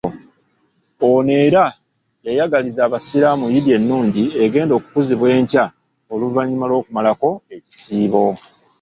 Ono era yayagalizza abasiraamu Eid ennungi egenda okukuzibwa enkya oluvannyuma lw'okumalako ekisiibo.